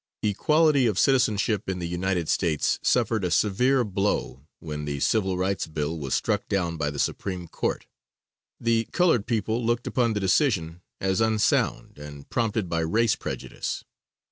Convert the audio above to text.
Equality of citizenship in the United States suffered a severe blow when the civil rights bill was struck down by the Supreme Court. The colored people looked upon the decision as unsound, and prompted by race prejudice.